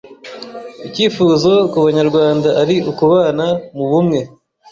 icyifuzo ku banyarwanda ari ukubana mu bumwe,